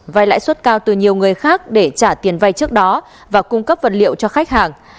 vai lãi suất cao từ nhiều người khác để trả tiền vay trước đó và cung cấp vật liệu cho khách hàng